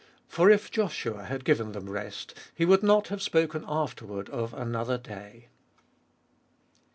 8. For if Joshua had given them rest, he would not have spoken afterward of another day.